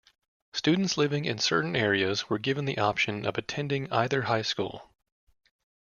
Students living in certain areas were given the option of attending either high school.